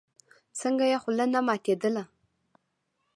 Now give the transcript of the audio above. څنگه يې خوله نه ماتېدله.